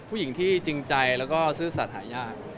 ผู้หญิงที่จริงใจและศึกษาถ่ายยาก